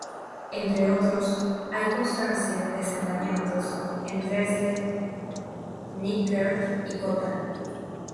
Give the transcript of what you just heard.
Entre otros, hay constancia de asentamientos en Dresde-Nickern y Cotta.